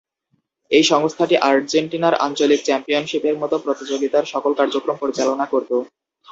এই সংস্থাটি আর্জেন্টিনার আঞ্চলিক চ্যাম্পিয়নশিপের মতো প্রতিযোগিতার সকল কার্যক্রম পরিচালনা করতো।